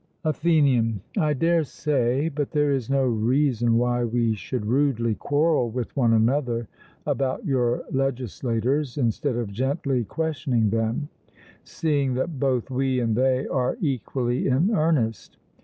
ATHENIAN: I dare say; but there is no reason why we should rudely quarrel with one another about your legislators, instead of gently questioning them, seeing that both we and they are equally in earnest.